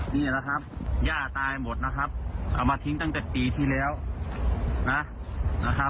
นี่แหละครับย่าตายหมดนะครับเอามาทิ้งตั้งแต่ปีที่แล้วนะครับ